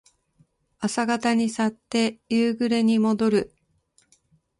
朝方に去って夕暮れにもどる。